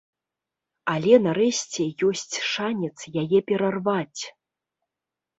Але нарэшце ёсць шанец яе перарваць.